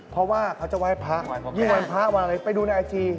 เพราะว่าเขาจะไหว้พระยิ่งวันพระวันอะไรไปดูในไอจี